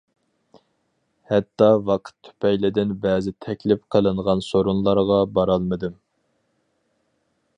ھەتتا ۋاقىت تۈپەيلىدىن بەزى تەكلىپ قىلىنغان سورۇنلارغا بارالمىدىم.